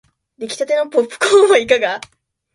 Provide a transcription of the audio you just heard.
できたてのポップコーンはいかが